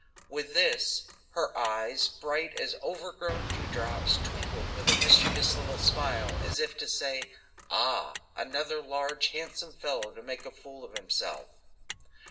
With this, her eyes, bright as overgrown dew drops, twinkled with a mischievous little smile, as if to say: "Ah, another large handsome fellow to make a fool of himself."